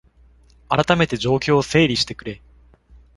あらためて状況を整理してくれ